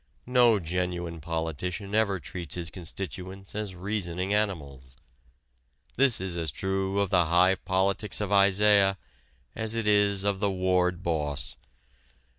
No genuine politician ever treats his constituents as reasoning animals. This is as true of the high politics of Isaiah as it is of the ward boss.